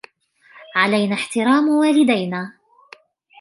علينا احترام والدينا.